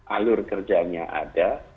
alur kerjanya ada